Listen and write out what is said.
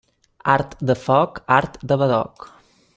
Art de foc, art de badoc.